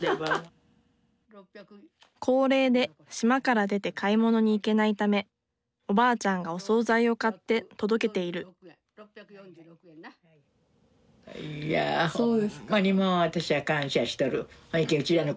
高齢で島から出て買い物に行けないためおばあちゃんがお総菜を買って届けているいやうん。